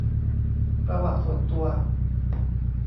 ประวัติส่วนตัว